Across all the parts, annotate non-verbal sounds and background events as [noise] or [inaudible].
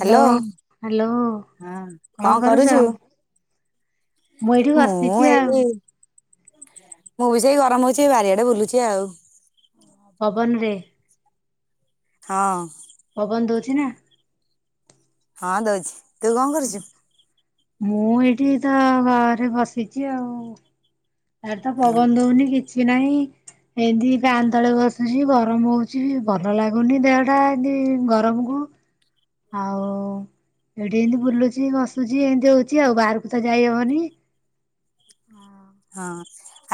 Hello hello ହଁ କଣ କରୁଛୁ? ମୁଁ ଏଇଠି ମୁଁ ବସିଛି ଆଉ ଏଇଠି ମୁଁ ବି ସେଇ ଗରମ ହଉଛି ଏଇ ବାରିଆଡେ ବୁଲୁଚି ଆଉ। ପବନରେ ହଁ। ପବନ ଦଉଚି ନା। ହଁ ଦଉଛି ତୁ କଣ କରୁଛୁ? ମୁଁ ଏଇଠି ତ ଘରେ ବସିଛି ଆଉ। ଆରେ ତ ହଁ ପବନ ଦଉନି କିଛି ନାହିଁ ଏଇଥି ଫାନ ତଳେ ବସୁଛି ଗରମ ହଉଛି ଭଲ ଲାଗୁନି ଦେହଟା ଏମତି ଗରମ କୁ ଆଉ ଏଇଠି ଏମିତି ବୁଲୁଚି ବସ୍ ତୁଝି ଏମିତି ହଉଚି ଆଉ ବାହାରକୁ ତ ଯାଇ ହବନି। ହଁ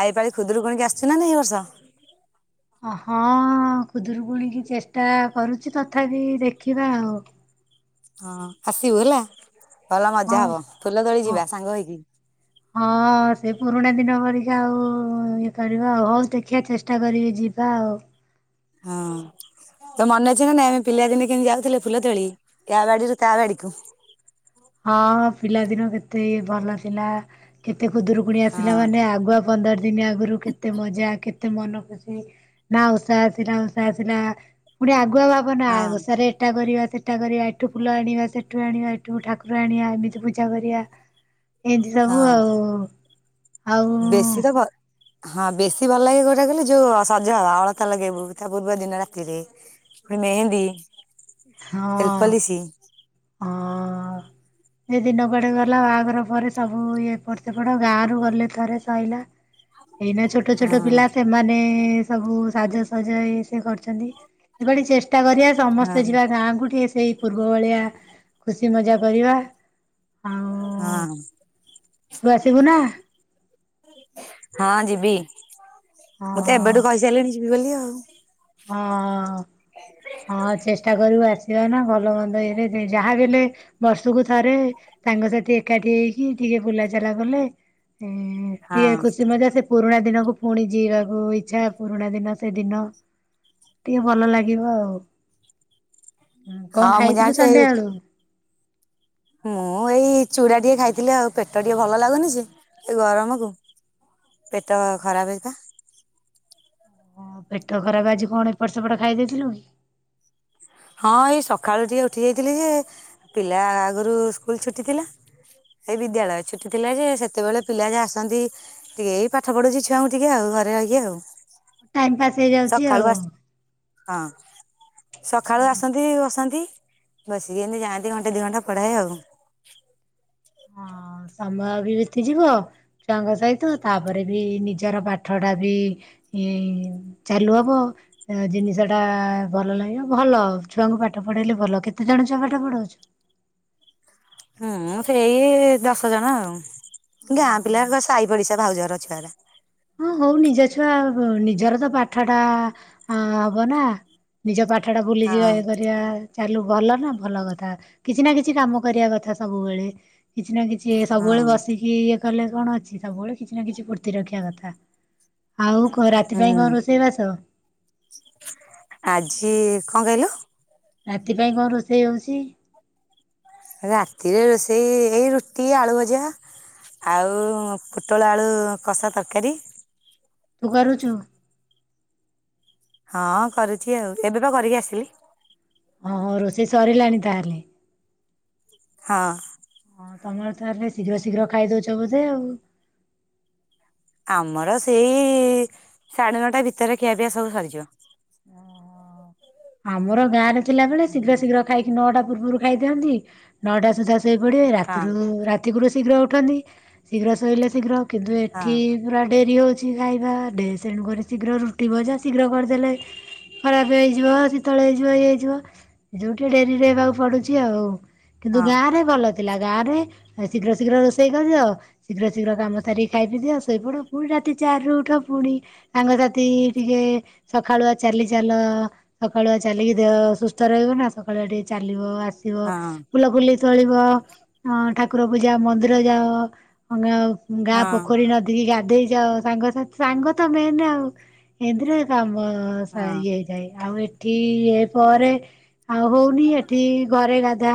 ଆ ଏପାଳି ଖୁଦରୁକୁୁଣିକି ଆସିୁଛି ନା ନା ଏ ବର୍ଷ ହଁ ଖୁଦରୁକୁଣିକି ଚେଷ୍ଟା କରୁଚି ତଥାପି ଦେଖିବା ଆଉ। ହଁ ହସିବୁ ହେଲା। ଭଲ ମଜା ଆଉ। ହବ ଫୁଲ ତୋଳି ହଁ ଯିବା ସାଙ୍ଗ ହେଇକି। ହଁ ସେ ପୁରୁଣା ଦିନ ପରିକା ଆଉ ଇଏ କରିବା ଆଉ ଦେଖିବା ଚେଷ୍ଟା କରିବି ଯିବା ଆଉ। [inaudible] ତର ମନେ ଅଛି ନା ନାଇଁ ଆମେ ପିଲାଦିନେ କେମ ଯାଉଥିଲେ ଫୁଲ ତୋଳି ୟା ବାଡିରୁ ତା ବାଡିକୁ। ହଁ ପିଲାଦିନ କେତେ ଭଲ ଥିଲା କେ ଏତେ ଖୁଦରୁକୁଣି ହଁ। ଆସିଲା ମାନେ, ଆଗୁଆ ପନ୍ଦର ଦିନ ଆଗରୁ କେତେ ମଜା, କେତେ ତେ ମନ ଖୁସି ନା ଉଷା ଆସିଲା, ଉଷା ଆସିଲା ପୁଣି ଆଗ [unintelligible] ଆ ହଁ ଭବନବଷାରେ ଏଟା କରିବା ସେଟା କରିବା ଏଠୁ ଫୁଲ ଆଣିବା ସେଠୁ ଆଣିବା ଏଠୁ ଠା ଆଣିବା, ଏମିତି ପୂଜା କରିବା। ଏଇଠି ସବୁ ହଁ ଆଉ ଆଉ ସେ ଭଲ ଲାଗେ ଗୋଟା କଲେ ଯୋଉ ସଜ ହବା ଅଳତା ଲଗେଇବୁ ତା ପୂର୍ବ ଦିନ ରାତିରେ ହେ ମେହେନ୍ଦୀ। ଏଲପଲିସି ହଁ। ଆ ସେ ଦିନ କଆଡେ ଗଲା ବାହାଘର ପରେ ସବୁ ଇ ଏପଟ ସେପଟ ଗାଁ ରରୁ ଗଲେ ଥରେ ସରିଲା। ଏଇନା ଛୋଟ ଛୋଟ ହଁ ପିଲା ସେମାନେ ସବୁ ସାଜସଜା। ସେ କରିଛନ୍ତି ସେପଟ ଚେଷ୍ଟା କରିବା ହଁ ସମସ୍ତେ ଯିବା ଗାଁକୁ ଟିକେ ସେଇ ପୂର୍ବ ଭଳିଆ। ଖୁସି ମଜା କରିବା। ଆଉ ହଁ ତୁ ଆସିବୁ ନା? ହଁ ଯିବି। ହଁ ମୁଁ ତ ଏବେଠୁ କହିସାରିଲିଣି ଯିବି ବୋଲି ଆଉ। ହଁ ହଁ ଚେଷ୍ଟା କରିବୁ ଆସିବା ନା ଭଲ ମନ୍ଦ ଇଲେ ଯାହା ବି ହେଲେ ବର୍ଷକୁ ଥରେ ତାଙ୍କ ସାଥି ଏକାଠି ହେଇକି ଟିକେ ବୁଲାଚାଲା କଲେ ହଁ ହଁ ଟିକେ ଖୁସି ମଜା ସେ ପୁରୁଣା ଦିନକୁ ପୁଣି ଯିଇବାକୁ ଇଚ୍ଛା ପୁରୁଣା ଦିନ ସେଦିନ ଟିକେ ଭଲ ଲାଗିବ ଆଉ। ହଁ କଣ ମୁଁ ଖାଇଥିଲୁ ଜାଣିଛି ଏଇ ସନ୍ଧ୍ୟା ଆଳୁ? ମୁଁ ଏଇ ଚୂଡା ଟିକେ ଖାଇଥିଲି ଆଉ ପେଟ ଟିକେ ଭଲ ଲାଗୁନି ସେ ଏ ଗରମକୁ ପେଟ ଖରାପ ହେଇଥିଲା ପେଟ ଖରାପ ଆଜି କଣ ଏପଟ ସେପଟ ଖାଇ ଦେଇେଇଥିଲୁ କି? ହଁ ଏଇ ସକାଳୁ ଟିକେ ଉଠି ଯାଇଥିଲି ଯେ ପିଲା ଆଗରୁ ସ୍କୁଲ ଛୁଟି ଥିଲା ଏଇ ବିଦ୍ୟାଳୟ ଛୁଟି ଥିଲା ଯେ ସେତେବେଳେ ପିଲା ଯା ଆସନ୍ତି ଟିକେ ଏଇ ପାଠ ପଢୁଛି ଛୁଆଙ୍କୁ ଟିକେ ଆଉ ଘରେ ରହିକି ଆଉ ଟାଇମ ପାସ୍ ହେଇଯାଉଛି ସକାଳୁ ଆଉ। ଆସ ହଁ ସକାଳୁ ଆସନ୍ତି ବସନ୍ତି। ବସିକି ଏମିତି ଯାଆନ୍ତି ଘାଣ୍ଟି ଦି ଘଣ୍ଟା ପଢାଏ ଆଉ। ହଁ ସମୟ ବି ବିତିଯିବ ଛୁଆଙ୍କ ସହିତ ତାପରେ ବି ନିଜର ପାଠ ଟା ବି ଏଇ ଚାଲୁ ହବ ଜିନିଷ ଟା ଭଲ ଲାଗିବ ଭଲ ଛୁଆଙ୍କୁ ପାଠ ପାଠ ପଢେଇଲେ ଭଲ କେତେ ଜଣ ଛୁଆ ପାଠ ପଢଉଚୁ? ହୁଁ ସେଇ ଦଶ ଜଣ ଆଉ। ଗାଁ ପିଲା ସାଇ ପଡିଶା ଭାଉଜର ଛୁଆ ରା। ହଁ ହଉ ନିଜ ଛୁଆ ନିଜର ତ ପାଠ ଟା ହବ ନା ନିଜ ପାଠ ଟା ଭୁଲି ଯିବା ହଁ ଇଏ କରିବା ଚାଲୁ ଭଲ ନା ଭଲ କଥା କିଛି ନା କିଛି କାମ କରିବା କଥା ସବୁବେଳେ। କିଛି ନା କିଛି ହଁ ସବୁବେଳେ ବସିକି ଇଏ କଲେ କଣ ଅଛି ସବୁବେଳେ କିଛି ନା କିଛି ଫୁର୍ତ୍ତି ରଖିବା କଥା। ଆଉ କ ରାତି ପାଇଁ ହୁଁ କଣ ରୋଷେଇବାସ? ଆଜି କଣ କହିଲୁ ରାତି ପାଇଁ କଣ ରୋଷେଇ ହୋଉଚି? ରାତିରେ ରୋଷେଇ ଏଇ ରୁଟି ଆଳୁ ଭଜା। ଆଉ ପୋଟଳ ଆଳୁ କଷା ତରକାରୀ ତୁ କରୁଛୁ ହଁ କରୁଛି ଆଉ ଏବେ ବା କରିକି ଆସିଲି। ହଁହ ରୋଷେଇ ସରିଲାଣି ତାହେଲେ ହଁ ହଁ ତମର ତାହଲେ ଶୀଘ୍ର ଶୀଘ୍ର ଖାଇଦଉଛ ବୋଧେ ଆଉ। ଆମର ସେଇ ସାଢେ ନଅଟା ଭିତରେ ଖିଆପିଆ ସବୁ ସରିଯିବ। ଆମର ଗାଁ ରେ ଥିଲାବେଳେ ଶୀଘ୍ର ଶୀଘ୍ର ଖାଇକି ନଅଟା ପୂର୍ବରୁ ଖାଇ ଦିଅନ୍ତି ନଅଟା ସୁଦ୍ଧା ଶୋଇପଡ଼ିବେ ରାତିରୁ ହଁ ରାତିକୁରୁ ଶୀଘ୍ର ଉଠନ୍ତି ଶୀଘ୍ର ଶୋଇଲେ ଶୀଘ୍ର କିନ୍ତୁ ହଁ ଏଠି ପୁରା ଡେରି ହେଉଛି ଖାଇବା ଡେ ଶେଣୁକରି ଶୀଘ୍ର ରୁଟି ଭଜା ଶୀଘ୍ର କରିଦେଲେ ଖରାପ ହେଇଯିବ ଶୀତଳ ହେଇଯିବ ଇଏ ହେଇଯିବ ଏ ଯୋଉଠି ଡେରିରେ ହେବାକୁ ପଡୁଛି ଆଉ କିନ୍ତୁ ହଁ ଗାଁ ରେ ଭଲ ଥିଲା ଗାଁ ରେ ଶୀଘ୍ର ଶୀଘ୍ର ରୋଷେଇ କରିଦିଅ ଶୀଘ୍ର ଶୀଘ୍ର କାମ ସାରିକି ଖାଇ ପି ଦିଅ ସେଇପଡ ପୁଣି ରାତି ଚାରି ରୁ ଉଠ ପୁଣି ସାଙ୍ଗସାଥି ଟିକେ ସଖାଳୁଆ ଚାଲି ଚାଲ। ସକାଳୁଆ ଚାଲିକି ଦେହ ସୁସ୍ଥ ରହିବ ନା ସକାଳୁଆ ଟିକେ ଚାଲିବ ଆ ଠିବ ହଁ ଫୁଲ ଫୁଲି ତୋଳିବ ଅ ଠା ଠାକୁର ପୂଜା ମନ୍ଦିର ଯାଅ ଗ ହଁ ଗାଁ ହଁ ପୋଖରୀ ନଦୀକି ଗା ଧେଇ ଯାଅ ସାଙ୍ଗସାଥୀ ସାଙ୍ଗ ତ ମେଏନେ ଆଉ ଏମିତରେ କାମ ଅ ସା ହଁ ଇଏ ହେଇଯାଏ ଆଉ ଏଠି ଇଏ ପରେ ଆଉ ହଉନି ଏଠି ଘରେ ଗାଧା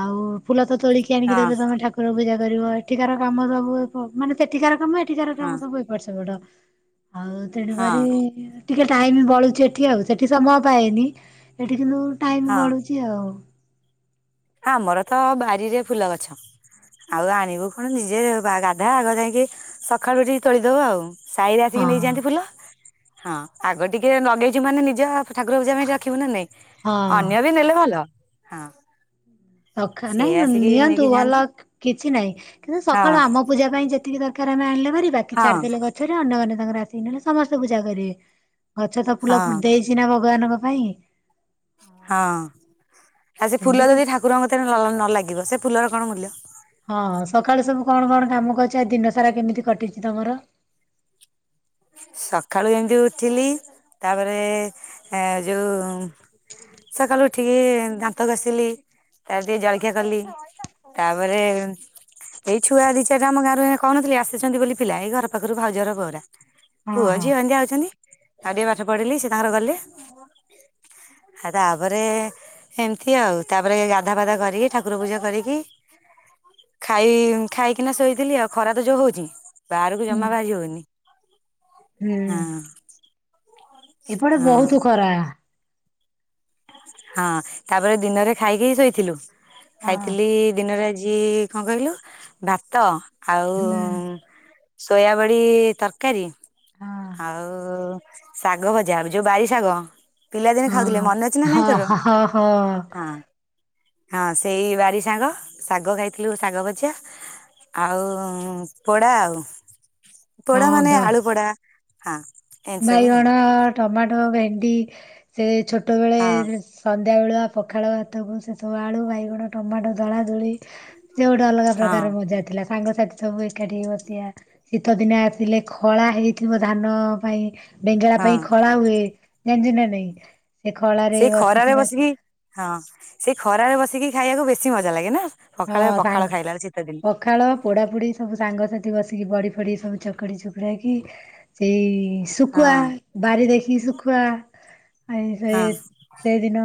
ଆଉ ଫୁଲ ତ ତୋଳିକି ଆଣିକି ହଁ ଦେବେ ତମେ ଠାକୁର ପୂଜା କରିବ ଏଠିକାର କାମ ସବୁ ଏଫ ମାନେ ସେଠିକାର କାମ ଏଠିକାର କାମ ହଁ ସବୁ ଏପଟ ସେପଟ। ଆଉ ତେଣୁକରି ଟିକେ ଟାଇମ୍ ବଳୁଛି ଏଠି ଆଉ ସେଠି ସମୟ ପାଏନି ଏଠି କିନ୍ତୁ ଟାଇମ ହଁ ବଳୁଚି ଆଉ। ଆମର ତ ବାରିରେ ଫୁଲ ଗଛ। ଆଉ ଆଣିବୁ କଣ ନିଜେ ଗାଧା ଆଗ ଯାଇକି ସକାଳୁ ଉଠିକି ତୋଳିଦଉ ଆଉ। ସାଇରେ ଆସିକି ହଁ ନେଇଯାଆନ୍ତି ଫୁଲ ହଁ ଆଗ ଟିକେ ନଗେଇଚୁ ମାନେ ନିଜ ଠାକୁର ପୂଜା ପାଇଁ ରଖିବୁ ନା ନାଇଁ। ହଁ। ଅନ୍ୟ ବି ନେଲେ ଭଲ ହଁ। ସଖା ସେ ନାଇଁ ଆସିକି ନିଅନ୍ତୁ ନେଇକି ଯାଆନ୍ତି ଭଲ କିଛି ନାଇଁ କିନ୍ତୁ ହଁ ସକାଳୁ ଆମ ପୂଜା ପାଇଁ ଯେତିକି ଦରକାର ଆମେ ଆଣିଲେ ଆରି ବାକି ହଁ ଛାଡିଦେଲେ ଗଛରେ ଅନ୍ୟମାନେ ତାଙ୍କର ଆସି ନେଲେ ସମସ୍ତେ ପୂଜା କରିବେ। ଗଛ ତ ଫୁଲ ହଁ ଫୁ ଦେଇଚି ନା ଭଗବାନଙ୍କ ପାଇଁ। ଆଉ ହଁ ଆଉ ସେ ଏମିତି ଫୁଲ ଯଦି ପୂଜା ଠାକୁରଙ୍କ କତିରେ ଲ ନ ଲାଗିବ ସେ ଫୁଲର କଣ ମୁଲ୍ୟ। ହଁ ସକାଳୁ ସବୁ କଣ କଣ କାମ କରିଚ ଆଜି ଦିନ ସାରା କେମିତି କଟିଚି ତମର। ସଖାଳୁ ଏମିତି ଉଠିଲି ତାପରେ ଏ ଯଉ ସକାଳୁ ଉଠିକି ଦାନ୍ତ ଘଷିଲି ତା ପରେ ଟିକେ ଜଳଖିଆ କଲି। ତାପରେ ଏଇ ଛୁଆ ଦି ଚାରଟା ଆମ ଗାଁରୁ କହୁନଥିଲି ଆସିଛନ୍ତି ବୋଲି ପିଲା ଏଇ ଘର ପାଖରୁ ଭାଉଜ ହର ପୁଅ ଉରା। ହଁ ପୁଅ ହଁ। ଝିଅ ଏମିତି ଆଉଚନ୍ତି ଆଉ ଟିକେ ପାଠ ପଢେଇଲି ସେ ତାଙ୍କର ଗଲେ। ଆଉ ତାପରେ ଏମିତି ଆଉ ତାପରେ ଗାଧା ଫାଦା କରିକି ଠାକୁର ପୂଜା କରିକି ଖାଇ ଖାଇକିନା ଶୋଇଥିଲି ଆଉ ଖରା ତ ଯଉ ହଉଚି। ବାହାରକୁ ହୁଁ ଜମା ବାହାରି ହଉନି। ହୁଁ ହଁ ଏପଟେ ହଁ। ବହୁତୁ ଖରା। ହଁ ତାପରେ ଦିନରେ ଖାଇକି ହି ଶୋଇଥିଲୁ ହଁ ଖାଇଥିଲି ଦିନରେ ଆଜି ଜି କଣ କହିଲୁ ଭାତ ଆଉ ହୁଁ। ସୋୟାବଡ଼ି ତରକାରୀ। ହଁ ଆଉ ଶାଗ ଭଜା ଯଉ ବାରି ଶାଗ। ପିଲାଦିନେ ଖାଉଥିଲେ ହଁ ମନେ ଅଛି ନା ନାହିଁ ହଁ ତୋର ହଁ ହଁ ହଁ। ହଁ ସେଇ ବାରି ସାଙ୍ଗ ଶାଗ ଖାଇଥିଲୁ ଶାଗ ଭଜା। ଆଉ ପୋଡା ଆଉ ପୋଡା ହଁ ମାନେ ଦ ଆଳୁ ପୋଡା ହଁ। ଏମିତି ସବୁ ଆଉ ବାଇଗଣ ଟମାଟୋ ଭେଣ୍ଡି ସେ ହଁ ଛୋଟବେଳେସ ବେଳୁଆ ପଖାଳ ହାତକୁ ସେସବୁ ଆଳୁ ବାଇଗଣ ଟମାଟୋ ଦଳା ଦୁଳି। ସେ ଗୋଟେ ଅଲଗା ହଁ ପ୍ରକାର ମଜା ଥିଲା ସାଙ୍ଗସାଥି ସବୁ ଏକାଠି ହେଇ ବସିବା ଶୀତ ଦିନେ ଆସିଲେ ଖଳା ହେଇଥିବ ଧାନ ପାଇଁ। ବେଙ୍ଗେଳା ହଁ। ପାଇଁ ଖଳା ହୁଏ ଜାଣିଚନ୍ତି ନା ନାଇଁ? ସେ ଖଳାରେ ସେଇ ଖରାରେ ଭାତ ବସିକି ହଁ ସେଇ ଖରାରେ ବସିକି ଖାଇବାକୁ ବେଶୀ ମଜା ଲାଗେ ନା? ହଁ ପଖାଳରେ ପଖାଳ ସାଙ୍ଗ ଖାଇଲା ବେଳେ ଶୀତ ଦିନେ ପଖାଳ ପୋଡାପୋଡି ସବୁ ସାଙ୍ଗସାଥି ବସ ବଡି ଫଡି ସବୁ ଚକଡି ଚୁକୁଡାକି ସେଇ ଶୁକୁଆ ହଁ ବାରି ଦେଖିକି ଶୁଖୁ ସୁଖୁଆ ଆଇ ସେ ହଁ ସେଦିନ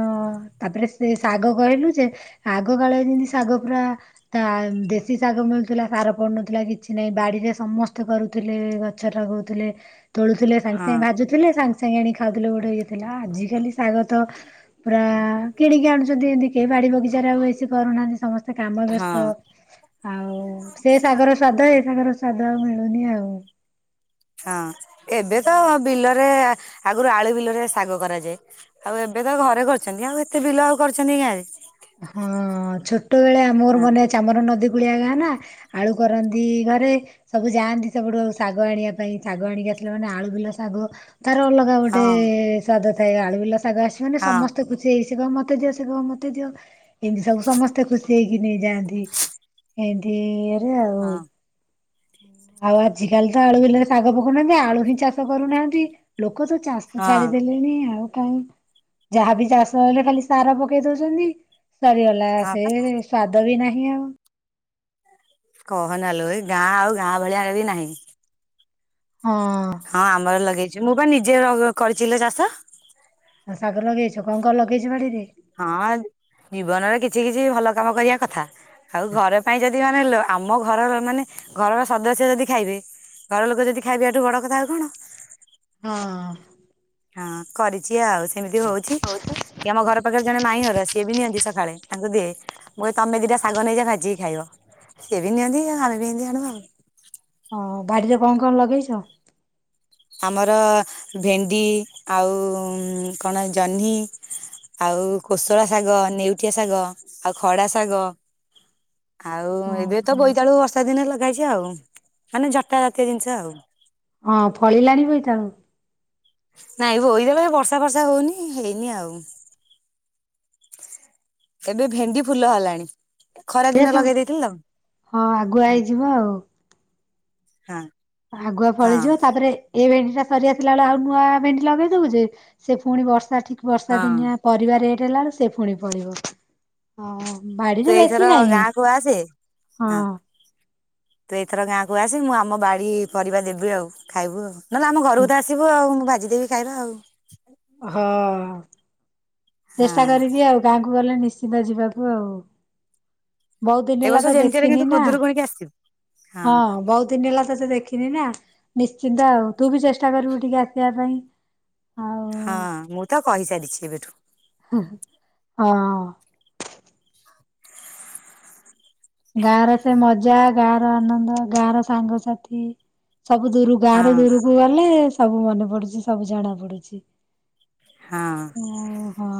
ତାପରେସେ ସେ ଶାଗ କହିଲୁ ଯେ ଆଗ କାଳ ଯେମିତିସା ଶାଗ ପୁରା ତା ଦେଶୀ ଶାଗ ମିଳୁଥିଲା ସାର ପଡୁନଥିଲା କିଛି ନାହିଁ ବାଡିରେ ସମସ୍ତେ କରୁ ଥିଲେ ଗଛ ଲଗଉଥିଲେ ତୋଳୁଥିଲେ ସାଙ୍ଗେ ହଁ ସାଙ୍ଗେ ଭାଜୁଥିଲେ ସାଙ୍ଗ ସାଙ୍ଗେ ଆଣି ଖାଉଥିଲେ ଗୋଟେ ଇଏ ଥିଲା ଆଜିିକାଲି ଶାଗ ତ ପୁରା କିଣିକି ଆଣୁଛନ୍ତି ଏମିତି କି ବାଡ଼ି ବଗିଚାରେ ଆଉ ବେଶୀ କରୁନାହାନ୍ତି। ସମସ୍ତେ କାମ ବ୍ୟସ୍ତ ହଁ ଆଉ ସେ ଶାଗର ସ୍ୱାଦ ଏ ଶାଗର ସ୍ୱାଦ ଆଉ ମିଳୁନି ଆଉ। ହଁ ଏବେ ତ ବିଲରେ ଆଗରୁ ଆଳୁ ବିଲରେ ଶାଗ କରାଯାଏ ଆଉ ଏ ଏବେ ତ ଘରେ କରୁଛନ୍ତି ଆଉ ଏତେ ବିଲ ଆଉ କରୁଛନ୍ତି କି ଗାଁରେ ହଁ ଛୋଟବେଳେ ଆମ ମୋର ହଁ ମାନେ ଅଛି ଆମର ନଦୀ କୁଳିଆ ଗାଁ ନା ଆଳୁ କରନ୍ତି ଘରେ ସବୁ ଯାଆନ୍ତି ସେପଟୁ ଶାଗ ଆଣିବା ପାଇଁ ଶାଗ ଆଣିକି ମାନେ ଆଳୁ ବିଲ ଶାଗ ତାର ଅଲଗା ଗୋଟେ ହଁ ସ୍ଵାଦ ଥାଏ ଆଳୁ ବିଲ ଶାଗ ଆସିବ ମାନେ ହଁ ସମସ୍ତେ ଖୁସି ହେଇ ସେ କହିବ ମତେ ଦିଅ ସେ କହିବ ମତେ ଦିଅ ଏମତି ସବୁ ସମସ୍ତେ ଖୁସି ହେଇକି ନେଇଯାଆନ୍ତି ଏମ ରେ ଆଉ ହଁ ଆଉ ଆଜିକାଲି ତ ଆଳୁ ବିଲରେ ଶାଗ ପକଉନାହାନ୍ତି ଆଳୁ ହିଁ ଚାଷ କରୁନାହାନ୍ତି ଲୋ ଲୋକ ତ ଚାଷ ହଁ ଛାଡ଼ିଦେଲେଣି ଆଉ। କାଇଁ ଯାହାବି ଚାଷ ହେଲେ ଖାଲି ସାର ପକେଇ ଦଉଛନ୍ତି। ସରିଗଲା ହଁ ସେ ବା ସ୍ଵାଦ ବି ନାହିଁ ଆଉ କହନାଲେ ଏ ଗାଁ ଆଉ ଗାଁ ଭଳିଆ ହେଇ ନାହିଁ। ହଁ ଆମର ଲଗେଇଛୁ ମୁଁ ବା ନିଜେ କରିଛି ଲୋ ଚାଷ। ଆଉ ଶାଗ ଲଗେଇଛୁ କଣ କଣ ଲଗେଇଛୁ ବାଡିରେ ହଁ ଜୀବନରେ କିଛି କିଛି ଭଲ କାମ କରିବା କଥା ଆଉ ଘର ପାଇଁ ଯଦି ମାନେ ଆମ ଘରର ମାନେ ଘରର ସଦସ୍ୟ ଯଦି ଖାଇବେ ଘର ଲୋକ ଯଦି ଖାଇବାଠୁ ବଡ କଥା ଆଉ କଣ ହଁ ହଁ କରିଛି ଆଉ ସେମିତି ହଉଛି କି ଆମ ଘର ଜଣେ ମାଇଁ ଘର ସିଏ ବି ନିଅନ୍ତି ସକାଳେ ତାଙ୍କୁ ଦିଏ ମୁଁ କହେ ତମେ ଦିଟା ଶାଗ ନେଇଯା ଭାଜିକି ଖାଇବ। ସିଏ ବି ନିଅନ୍ତି ଆମେ ବି ଏମିତି ଆଣୁ ଆଉ। ହଁ ବାଡିରେ କଣ କଣ ଲଗେଇଚ? ଆମର ଭେଣ୍ଡି ଆଉ କଣ ଜହ୍ନି ଆଉ କୋଷଳା ଶାଗ ନେଉଟିଆ ଶାଗ ଆଉ ଖଡା ଶାଗ ଆଉ ଆଉ ଏବେ ତ ଓହୋ। ବୋଇତାଳୁ ବର୍ଷା ଦିନେ ଲଗା ହେଇଛି ଆଉ ମାନେ ଝଟା ଜାତୀୟ ଜିନିଷ ଆଉ। ହଁ ଫଳିଲାଣି ବଇତାଳୁ ନାଇଁ ବୋଇତ ଏ ବର୍ଷା ଫର୍ଷା ହୋଉନି ହେଇନି ଆଉ। ଏବେ ଭେଣ୍ଡି ଫୁଲ ହେଲାଣି। ଖରା ଏ ଦିନ ସବୁ ଲଗେଇ ଦେଇଥିଲିତ ହଁ ଆଗୁଆ ହଁ ହେଇଯିବ ଆଉ। ହଁ ଆଗୁଆ ଫଳିଯିବ ହଁ ତାପରେ ଏ ଭେ ଟା ସରିଆସିଲାବେଳକୁ ଆଉ ନୂଆ ଭେଣ୍ଡି ଲଗେଇ ଦଉଛେ ସେ ପୁଣି ବର୍ଷା ଠିକ ବର୍ଷା ହଁ ଦିନିଆ ପରିବା ରେ ହେଲା ବଳଳେ ସେ ପୁଣି ପଳିବ ହଁ। ତୁ ବାଡିରେ ବେଶୀ ଏଇଥର ନାହିଁ ଗାଁ କୁ ଆସେ ହଁ ତୁ ଏଇଥର ଗାଁ କୁ ଆସେ ମୁଁ ଆମ ବାଡି ପରିବା ଦେବି ଆଉ ଖାଇବୁ ଆଉ, ନହେଲେ ଆମ ଘରକୁ ତ ଆସିବୁ ଆଉ ମୁଁ ଭା ଜିଦେବି ଖାଇବା ଆଉ। ହଁ। ଚେଷ୍ଟା ହଁ କରିବି ଆଉ ଗାଁକୁ ଗଲେ ନିଶ୍ଚିନ୍ତ ଯିବାକୁ ଆଉ। ବହୁତ ଦିନ ଏ ହେଲା ବର୍ଷ ତ ଯେମିତି ହେଲେ ଦେଖିନି କିନ୍ତୁ ନା। ଖୁଦୁରୁକୁଣିକି ଆସିବୁ ହଁ ବହୁତ ଦିନ ହେଲା ତତେ ଦେଖିନି ନା। ନିଶ୍ଚିନ୍ତ ଆଉ ତୁ ବି ଚେଷ୍ଟା କରିବୁ ଟିକେ ଆସିବା ପାଇଁ ହଁ। ହଁ ମୁଁ ତ କହିସାରିଛି କେବେଠୁ। ହୁ ହଁ। ଗାଁ ର ସେ ମଜା ଗାଁ ର ଆନନ୍ଦ ଗାଁ ର ସାଙ୍ଗସାଥି ସବୁ ଦୂର ଗାଁ ହଁ ରୁ ଦୂରକୁ ଗଲେ ସବୁ ମନେ ପଡୁଛି ସବୁ ଜଣା ପଡୁଛି। ହଁ ଓ ହୋ!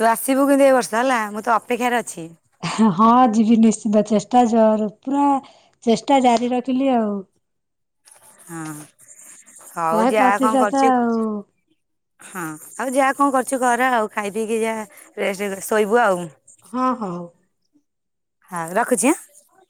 ତୁ ଆସିବୁ କିନ୍ତୁ ଏ ବର୍ଷ ହେଲା ମୁଁ ତୋ ଅପେକ୍ଷାରେ ଅଛି। ହ ହଁ ଯିବି ନିଶ୍ଚିନ୍ତ ଚେଷ୍ଟା ଜର ପୁରା ଚେଷ୍ଟା ଜାରି ରଖିଲି ଆଉ। ହଁ ହଉ ଶହେ ଯା କଣ ପ୍ରତିଶତ କରୁଚୁ। ଆଉ ହଁ ଆଉ ଯା କଣ କରୁଛୁ କର ଆଉ ଖାଇ ପିଇକି ଯାଆ ରେଷ୍ଟ୍ ଶୋଇବୁ ଆଉ। ହଁ ହଉ। ହଉ ରଖୁଛି ଆଁ।